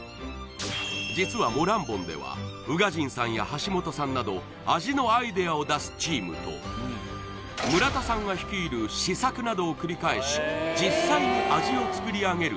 実はモランボンでは宇賀神さんや橋本さんなど味のアイデアを出すチームと村田さんが率いる試作などを繰り返し実際に味を作り上げる